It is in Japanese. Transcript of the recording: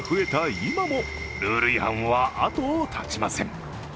今もルール違反は後を絶ちません。